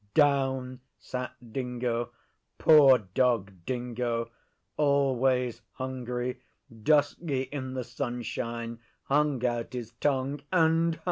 Down sat Dingo Poor Dog Dingo always hungry, dusky in the sunshine; hung out his tongue and howled.